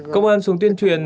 công an xuống tuyên truyền